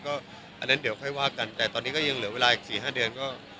อันนั้นเดี๋ยวค่อยว่ากันแต่ตอนนี้ก็ยังเหลือเวลาอีก๔๕เดือนก็